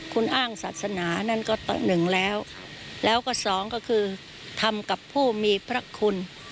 คุณอ้างศาสนานั่นก็หนึ่งแล้วแล้วก็สองก็คือทำกับผู้มีพระคุณ